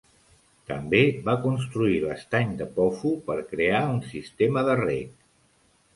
També va construir l'estany de Pofu per crear un sistema de rec.